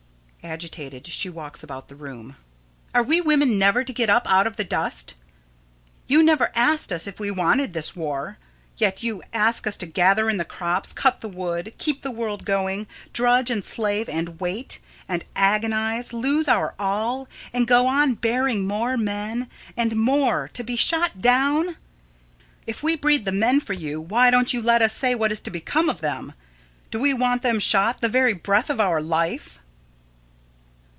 [Agitated, she walks about the room.] Are we women never to get up out of the dust? You never asked us if we wanted this war, yet you ask us to gather in the crops, cut the wood, keep the world going, drudge and slave, and wait, and agonize, lose our all, and go on bearing more men and more to be shot down! If we breed the men for you, why don't you let us say what is to become of them? Do we want them shot the very breath of our life?